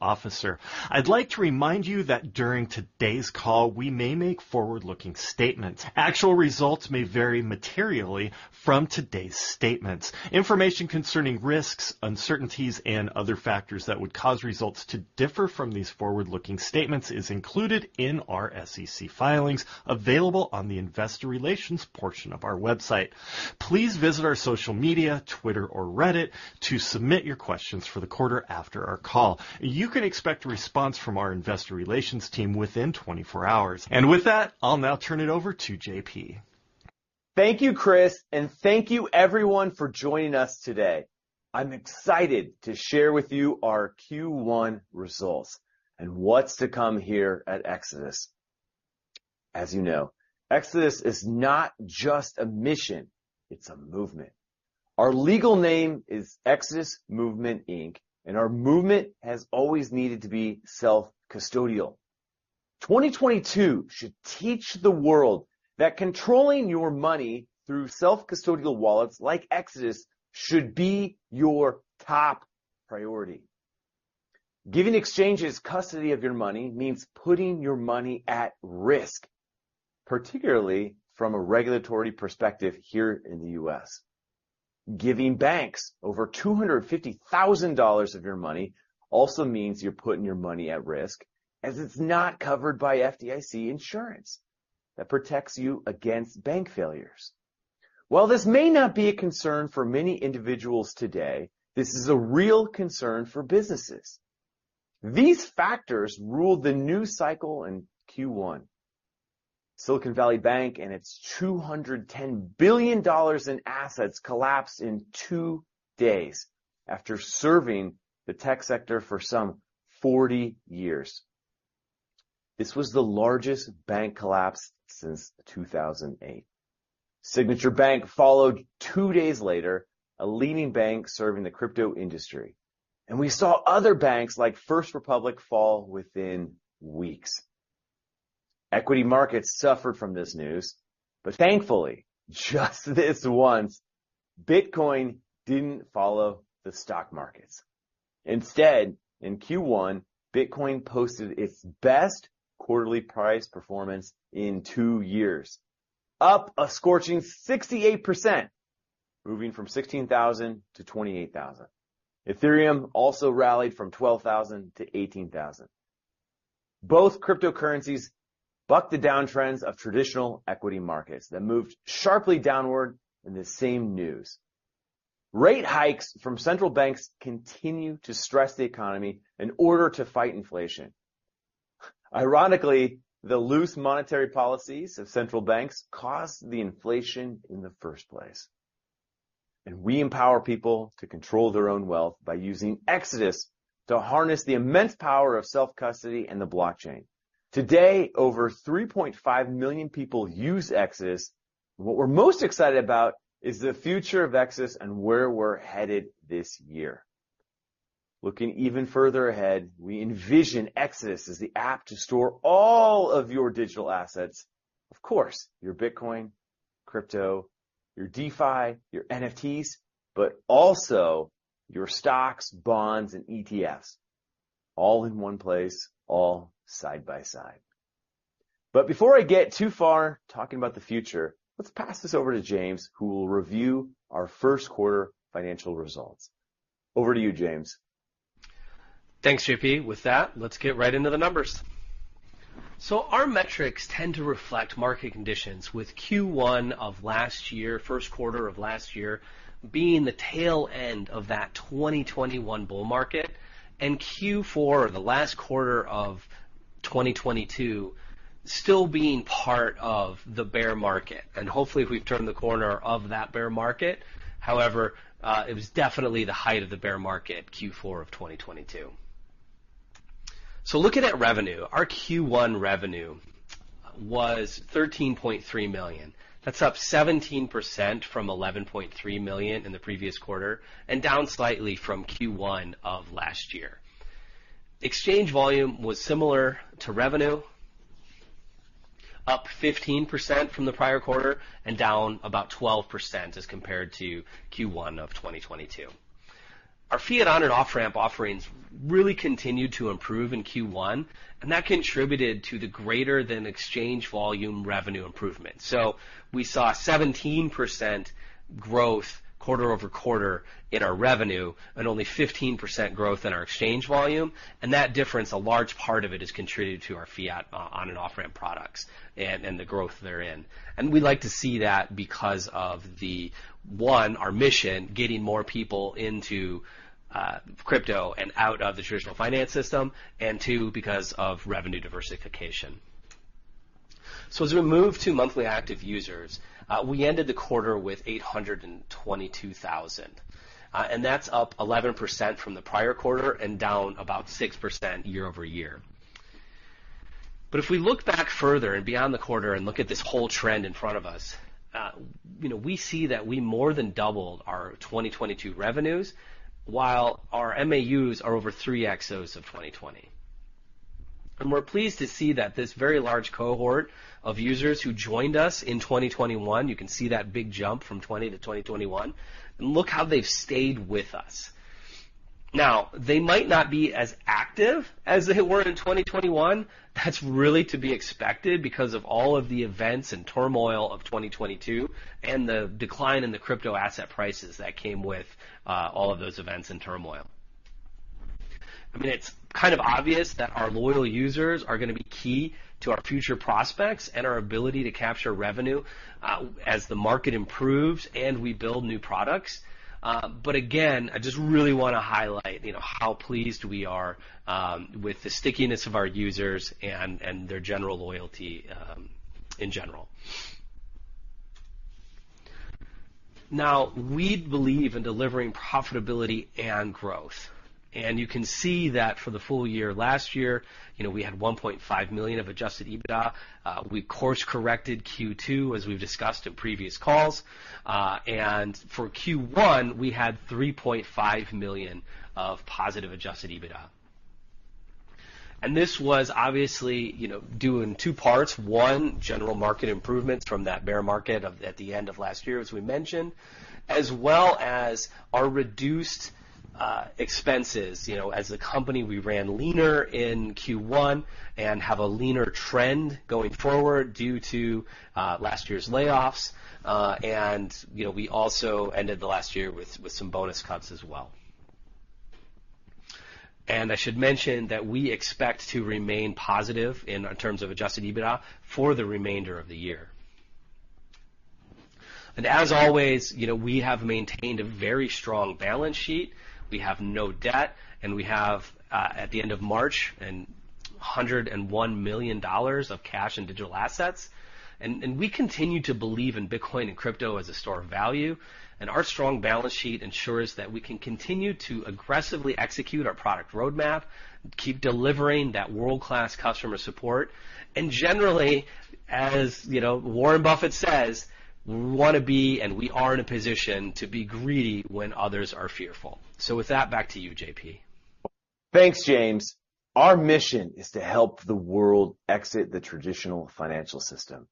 Officer. I'd like to remind you that during today's call, we may make forward-looking statements. Actual results may vary materially from today's statements. Information concerning risks, uncertainties, and other factors that would cause results to differ from these forward-looking statements is included in our SEC filings, available on the Investor Relations portion of our website. Please visit our social media, Twitter or Reddit, to submit your questions for the quarter after our call. You can expect a response from our Investor Relations team within 24 hours. With that, I'll now turn it over to JP. Thank you, Chris, and thank you everyone for joining us today. I'm excited to share with you our Q1 results and what's to come here at Exodus. As you know, Exodus is not just a mission, it's a movement. Our legal name is Exodus Movement, Inc, and our movement has always needed to be self-custodial. 2022 should teach the world that controlling your money through self-custodial wallets like Exodus should be your top priority. Giving exchanges custody of your money means putting your money at risk, particularly from a regulatory perspective here in the U.S. Giving banks over $250,000 of your money also means you're putting your money at risk, as it's not covered by FDIC insurance that protects you against bank failures. While this may not be a concern for many individuals today, this is a real concern for businesses. These factors ruled the new cycle in Q1. Silicon Valley Bank and its $210 billion in assets collapsed in two days after serving the tech sector for some 40 years. This was the largest bank collapse since 2008. Signature Bank followed two days later, a leading bank serving the crypto industry, and we saw other banks like First Republic fall within weeks. Equity markets suffered from this news, but thankfully, just this once, Bitcoin didn't follow the stock markets. Instead, in Q1, Bitcoin posted its best quarterly price performance in two years, up a scorching 68%, moving from $16,000 to $28,000. Ethereum also rallied from $12,000 to $18,000. Both cryptocurrencies bucked the downtrends of traditional equity markets that moved sharply downward in the same news. Rate hikes from central banks continue to stress the economy in order to fight inflation. Ironically, the loose monetary policies of central banks caused the inflation in the first place, and we empower people to control their own wealth by using Exodus to harness the immense power of self-custody and the blockchain. Today, over 3.5 million people use Exodus. What we're most excited about is the future of Exodus and where we're headed this year. Looking even further ahead, we envision Exodus as the app to store all of your digital assets. Of course, your Bitcoin, crypto, your DeFi, your NFTs, but also your stocks, bonds, and ETFs, all in one place, all side by side. Before I get too far talking about the future, let's pass this over to James, who will review our first quarter financial results. Over to you, James. Thanks, JP. With that, let's get right into the numbers. Our metrics tend to reflect market conditions with Q1 of last year, first quarter of last year, being the tail end of that 2021 bull market, and Q4, or the last quarter of 2022, still being part of the bear market, and hopefully, we've turned the corner of that bear market. However, it was definitely the height of the bear market, Q4 of 2022. Looking at revenue, our Q1 revenue was $13.3 million. That's up 17% from $11.3 million in the previous quarter and down slightly from Q1 of last year. Exchange volume was similar to revenue, up 15% from the prior quarter and down about 12% as compared to Q1 of 2022. Our fiat on-and-off-ramp offerings really continued to improve in Q1, that contributed to the greater than exchange volume revenue improvement. We saw 17% growth quarter-over-quarter in our revenue and only 15% growth in our exchange volume. That difference, a large part of it, is contributed to our fiat on- and off-ramp products and the growth therein. We like to see that because of the, one, our mission, getting more people into crypto and out of the traditional finance system, and two, because of revenue diversification. As we move to monthly active users, we ended the quarter with 822,000, and that's up 11% from the prior quarter and down about 6% year-over-year. If we look back further and beyond the quarter and look at this whole trend in front of us, we see that we more than doubled our 2022 revenues, while our MAUs are over 3x of 2020. We're pleased to see that this very large cohort of users who joined us in 2021, you can see that big jump from 20 to 2021, and look how they've stayed with us. Now, they might not be as active as they were in 2021. That's really to be expected because of all of the events and turmoil of 2022, and the decline in the crypto asset prices that came with all of those events and turmoil. I mean, it's kind of obvious that our loyal users are gonna be key to our future prospects and our ability to capture revenue as the market improves and we build new products. Again, I just really wanna highlight, you know, how pleased we are with the stickiness of our users and their general loyalty in general. Now, we believe in delivering profitability and growth. You can see that for the full year last year, you know, we had $1.5 million of adjusted EBITDA. We course-corrected Q2, as we've discussed in previous calls. For Q1, we had $3.5 million of positive adjusted EBITDA. This was obviously, you know, due in two parts: one, general market improvements from that bear market at the end of last year, as we mentioned, as well as our reduced expenses. You know, as a company, we ran leaner in Q1 and have a leaner trend going forward due to last year's layoffs. You know, we also ended the last year with some bonus cuts as well. I should mention that we expect to remain positive in terms of adjusted EBITDA for the remainder of the year. As always, you know, we have maintained a very strong balance sheet. We have no debt, and we have, at the end of March, a $101 million of cash and digital assets. We continue to believe in Bitcoin and crypto as a store of value, and our strong balance sheet ensures that we can continue to aggressively execute our product roadmap, keep delivering that world-class customer support, and generally, as you know, Warren Buffett says, we wanna be, and we are in a position to be greedy when others are fearful. With that, back to you, JP. Thanks, James. Our mission is to help the world exit the traditional financial system.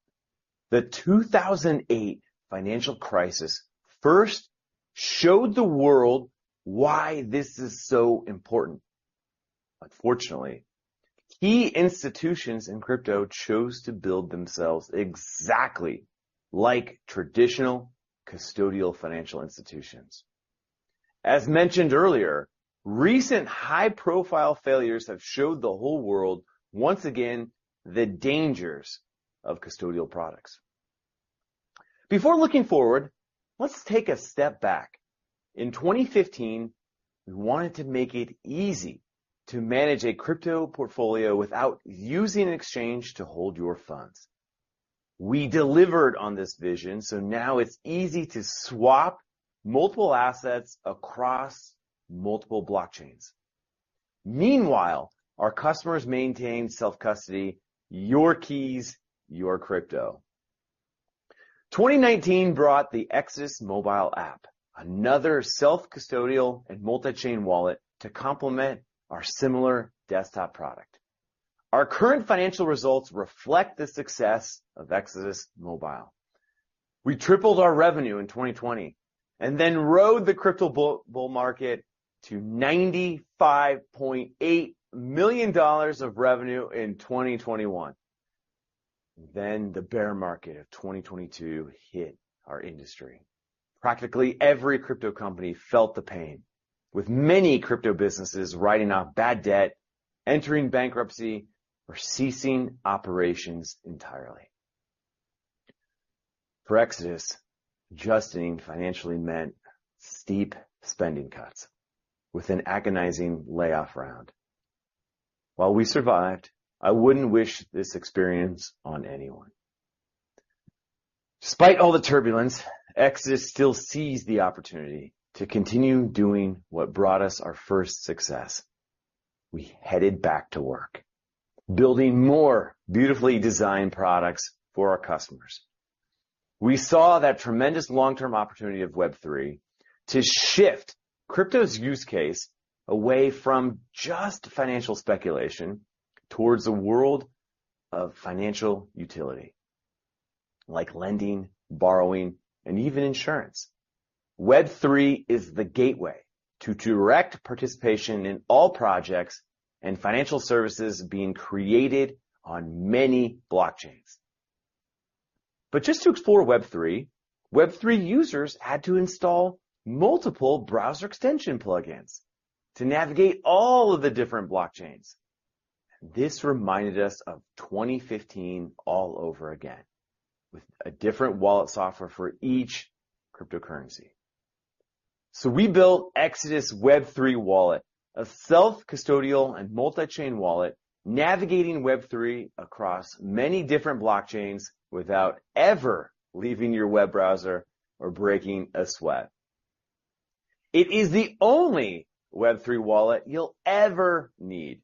The 2008 financial crisis first showed the world why this is so important. Unfortunately, key institutions in crypto chose to build themselves exactly like traditional custodial financial institutions. As mentioned earlier, recent high-profile failures have showed the whole world, once again, the dangers of custodial products. Before looking forward, let's take a step back. In 2015, we wanted to make it easy to manage a crypto portfolio without using an exchange to hold your funds. We delivered on this vision, so now it's easy to swap multiple assets across multiple blockchains. Meanwhile, our customers maintain self-custody, your keys, your crypto. 2019 brought the Exodus Mobile app, another self-custodial and multichain wallet to complement our similar desktop product. Our current financial results reflect the success of Exodus Mobile. We tripled our revenue in 2020 and then rode the crypto bull market to $95.8 million of revenue in 2021. The bear market of 2022 hit our industry. Practically every crypto company felt the pain, with many crypto businesses writing off bad debt, entering bankruptcy, or ceasing operations entirely. For Exodus, adjusting financially meant steep spending cuts with an agonizing layoff round. While we survived, I wouldn't wish this experience on anyone. Despite all the turbulence, Exodus still seized the opportunity to continue doing what brought us our first success. We headed back to work, building more beautifully designed products for our customers. We saw that tremendous long-term opportunity of Web3 to shift crypto's use case away from just financial speculation towards a world of financial utility, like lending, borrowing, and even insurance. Web3 is the gateway to direct participation in all projects and financial services being created on many blockchains. Just to explore Web3 users had to install multiple browser extension plugins to navigate all of the different blockchains. This reminded us of 2015 all over again, with a different wallet software for each cryptocurrency. We built Exodus Web3 Wallet, a self-custodial and multichain wallet, navigating Web3 across many different blockchains without ever leaving your web browser or breaking a sweat. It is the only Web3 wallet you'll ever need.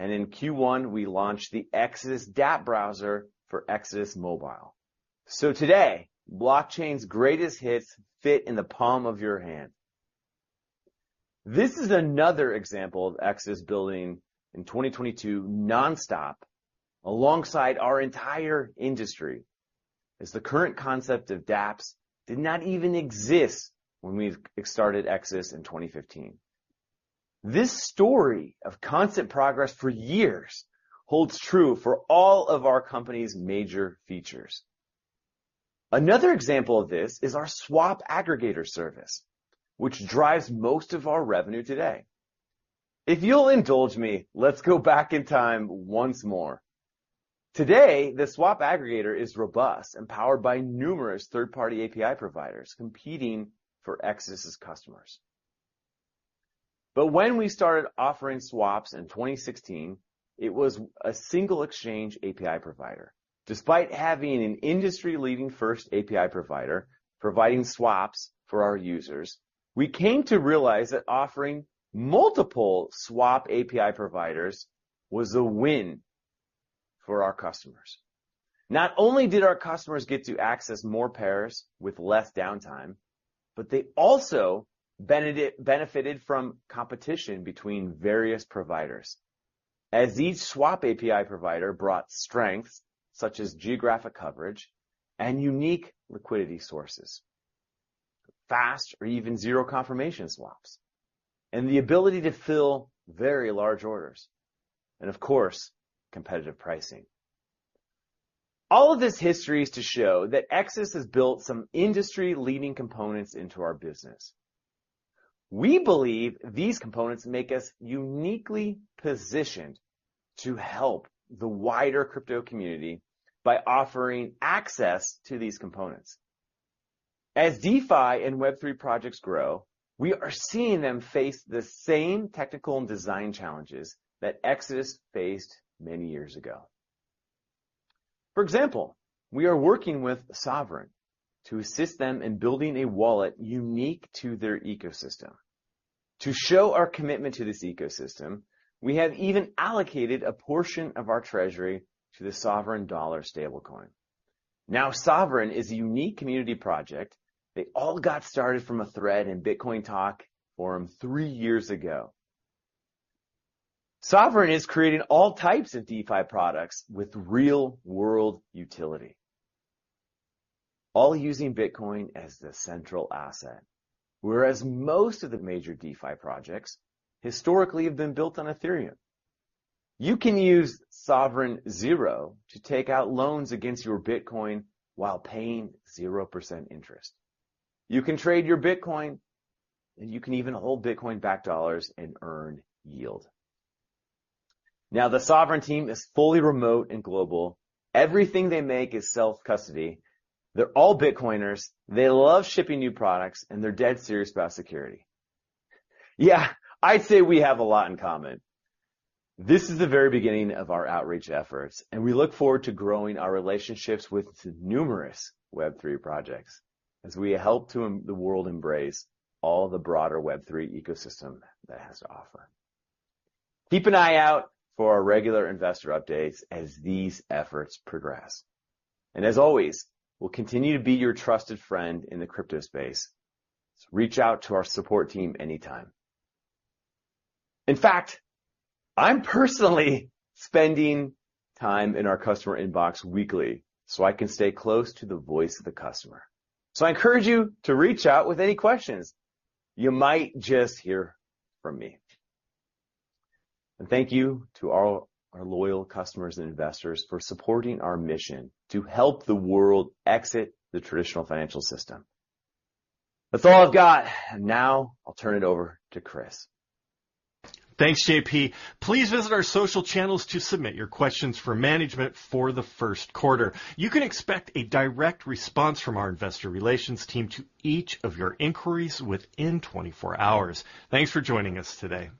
In Q1, we launched the Exodus dApp browser for Exodus Mobile. Today, blockchain's greatest hits fit in the palm of your hand. This is another example of Exodus building in 2022 nonstop, alongside our entire industry, as the current concept of dApps did not even exist when we started Exodus in 2015. This story of constant progress for years holds true for all of our company's major features. Another example of this is our swap aggregator service, which drives most of our revenue today. If you'll indulge me, let's go back in time once more. Today, the swap aggregator is robust and powered by numerous third-party API providers competing for Exodus' customers. When we started offering swaps in 2016, it was a single exchange API provider. Despite having an industry-leading first API provider, providing swaps for our users, we came to realize that offering multiple swap API providers was a win for our customers. Not only did our customers get to access more pairs with less downtime, but they also benefited from competition between various providers. Each swap API provider brought strengths such as geographic coverage and unique liquidity sources, fast or even zero confirmation swaps, and the ability to fill very large orders, and of course, competitive pricing. All of this history is to show that Exodus has built some industry-leading components into our business. We believe these components make us uniquely positioned to help the wider crypto community by offering access to these components. DeFi and Web3 projects grow, we are seeing them face the same technical and design challenges that Exodus faced many years ago. For example, we are working with Sovryn to assist them in building a wallet unique to their ecosystem. To show our commitment to this ecosystem, we have even allocated a portion of our treasury to the Sovryn Dollar stablecoin. Sovryn is a unique community project. They all got started from a thread in Bitcointalk forum 3 years ago. Sovryn is creating all types of DeFi products with real-world utility, all using Bitcoin as the central asset, whereas most of the major DeFi projects historically have been built on Ethereum. You can use Sovryn Zero to take out loans against your Bitcoin while paying 0% interest. You can trade your Bitcoin, and you can even hold Bitcoin-backed dollars and earn yield. The Sovryn team is fully remote and global. Everything they make is self-custody. They're all Bitcoiners, they love shipping new products, and they're dead serious about security. Yeah, I'd say we have a lot in common. This is the very beginning of our outreach efforts, and we look forward to growing our relationships with numerous Web3 projects as we help to the world embrace all the broader Web3 ecosystem that has to offer. Keep an eye out for our regular investor updates as these efforts progress. As always, we'll continue to be your trusted friend in the crypto space, so reach out to our support team anytime. In fact, I'm personally spending time in our customer inbox weekly, so I can stay close to the voice of the customer. I encourage you to reach out with any questions. You might just hear from me. Thank you to all our loyal customers and investors for supporting our mission to help the world exit the traditional financial system. That's all I've got. Now, I'll turn it over to Chris. Thanks, JP. Please visit our social channels to submit your questions for management for the first quarter. You can expect a direct response from our investor relations team to each of your inquiries within 24 hours. Thanks for joining us today.